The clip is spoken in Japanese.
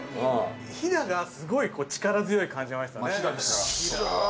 飛騨がすごい力強い感じしましたね。